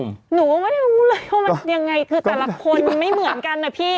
หนูก็ไม่ได้รู้เลยว่ามันยังไงคือแต่ละคนไม่เหมือนกันนะพี่